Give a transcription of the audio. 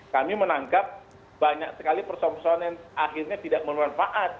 kami menangkap banyak sekali persoalan persoalan yang akhirnya tidak bermanfaat